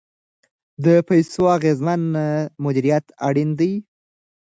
د پیسو اغیزمن مدیریت اړین دی.